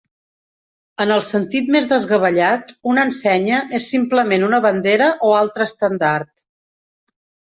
En el sentit més desgavellat, una ensenya és simplement una bandera o altre estendard.